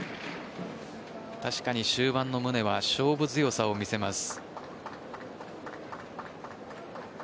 確かに終盤の宗は勝負強さを見せます。